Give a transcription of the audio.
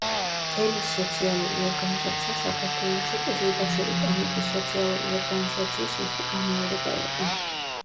ელის სოციალური ორგანიზაცია საქართველოში ყიზილბაშური ტომების სოციალური ორგანიზაციის ზუსტი გამეორება იყო.